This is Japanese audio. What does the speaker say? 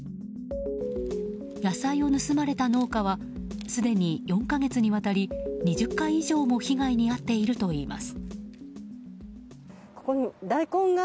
野菜を盗まれた農家はすでに４か月にわたり２０回以上も被害に遭っているといいます。